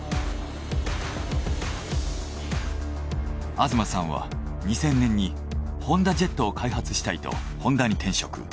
東さんは２０００年にホンダジェットを開発したいとホンダに転職。